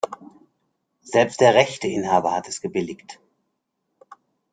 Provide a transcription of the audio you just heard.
Selbst der Rechteinhaber hat es gebilligt.